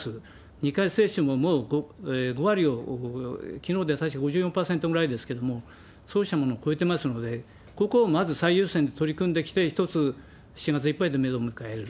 ２回接種ももう５割を、きのうで確か５４％ぐらいですけれども、そうしたものを超えてますので、ここをまず最優先で取り組んできて、一つ、７月いっぱいでメドを迎える。